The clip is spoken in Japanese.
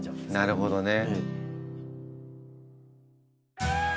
なるほどね。